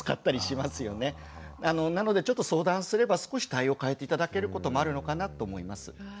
なのでちょっと相談すれば少し対応を変えて頂けることもあるのかなと思います。